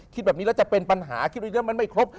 แบบนี้แล้วจะเป็นปัญหาคิดว่าเรื่องมันไม่ครบ